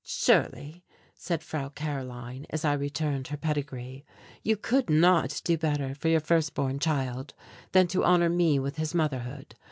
"Surely," said Frau Karoline, as I returned her pedigree, "you could not do better for your first born child than to honour me with his motherhood.